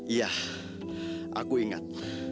iya aku ingat